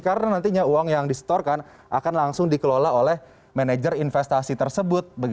karena nantinya uang yang disetorkan akan langsung dikelola oleh manajer investasi tersebut